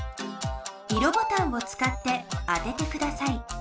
色ボタンをつかって当ててください。